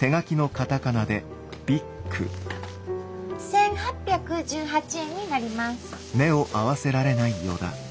１，８１８円になります。